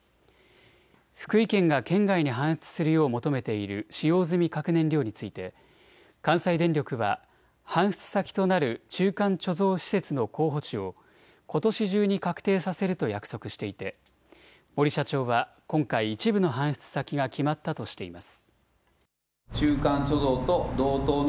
福井県が県外に搬出するよう求めている使用済み核燃料について関西電力は搬出先となる中間貯蔵施設の候補地をことし中に確定させると約束していて森社長は今回一部の搬出先が決まったとしています。